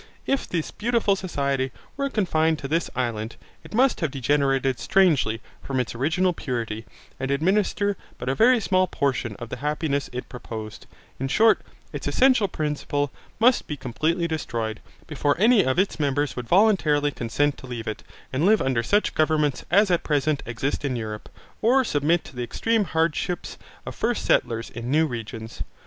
If this beautiful society were confined to this island, it must have degenerated strangely from its original purity, and administer but a very small portion of the happiness it proposed; in short, its essential principle must be completely destroyed, before any of its members would voluntarily consent to leave it, and live under such governments as at present exist in Europe, or submit to the extreme hardships of first settlers in new regions.